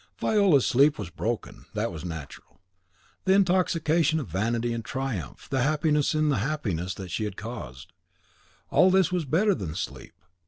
Viola's sleep was broken, that was natural. The intoxication of vanity and triumph, the happiness in the happiness she had caused, all this was better than sleep.